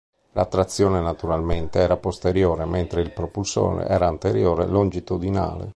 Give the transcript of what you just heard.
La trazione, naturalmente, era posteriore, mentre il propulsore era anteriore longitudinale.